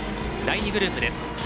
第２グループです。